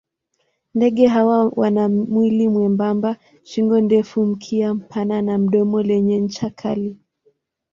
Ndege hawa wana mwili mwembamba, shingo ndefu, mkia mpana na domo lenye ncha kali.